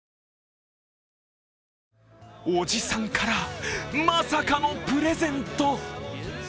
おじさんから、まさかのプレゼント。